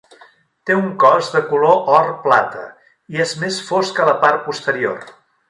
Té un cos de color or-plata, i és més fosc a la part posterior.